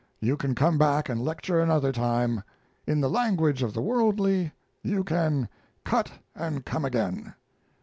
You can come back and lecture another time. In the language of the worldly you can "cut and come again."